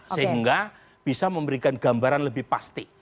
sehingga bisa memberikan gambaran lebih pasti